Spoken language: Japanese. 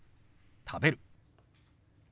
「食べる」。